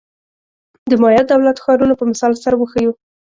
د مایا دولت-ښارونو په مثال سره وښیو.